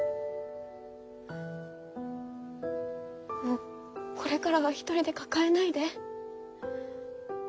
もうこれからは一人で抱えないで。